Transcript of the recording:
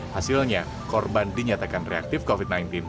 hasilnya korban dinyatakan reaktif covid sembilan belas